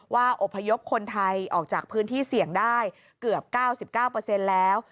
อบพยพคนไทยออกจากพื้นที่เสี่ยงได้เกือบ๙๙แล้ว